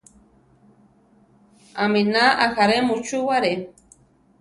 Aminá ajaré muchúware.